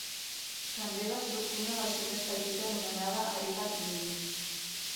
També va sortir una versió més petita anomenada iPad Mini.